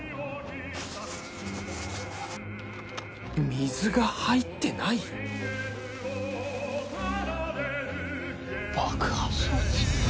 水が入ってない？爆破装置？